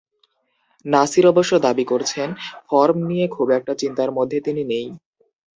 নাসির অবশ্য দাবি করছেন, ফর্ম নিয়ে খুব একটা চিন্তার মধ্যে তিনি নেই।